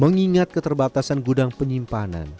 mengingat keterbatasan gudang penyimpanan